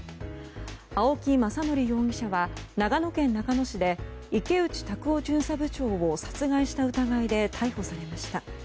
青木政憲容疑者は長野県中野市で池内卓夫巡査部長を殺害した疑いで逮捕されました。